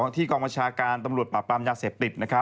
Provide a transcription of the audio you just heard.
ที่กองบัญชาการตำรวจปราบปรามยาเสพติด